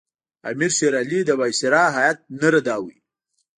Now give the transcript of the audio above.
امیر شېر علي د وایسرا هیات نه رداوه.